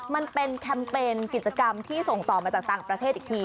มันเป็นแคมเปญกิจกรรมที่ส่งต่อมาจากต่างประเทศอีกที